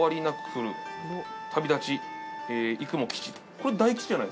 これ。